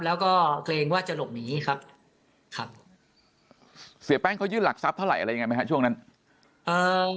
แล้วก็เกรงว่าจะหลบหนีครับครับเสียแป้งเขายื่นหลักทรัพย์เท่าไหร่อะไรยังไงไหมฮะช่วงนั้นเอ่อ